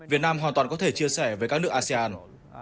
việt nam hoàn toàn có thể chia sẻ với các nước asean